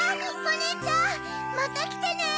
おねえちゃんまたきてね！